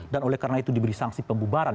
dan oleh karena itu diberi sanksi pembubaran